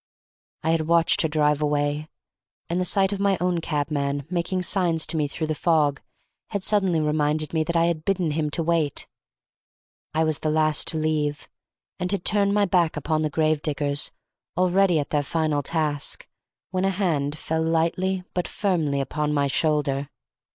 I had watched her drive away, and the sight of my own cabman, making signs to me through the fog, had suddenly reminded me that I had bidden him to wait. I was the last to leave, and had turned my back upon the grave diggers, already at their final task, when a hand fell lightly but firmly upon my shoulder.